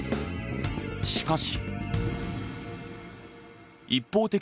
しかし。